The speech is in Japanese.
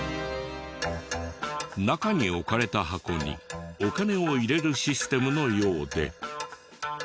中に置かれた箱にお金を入れるシステムのようで。